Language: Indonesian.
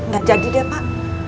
gak jadi deh pak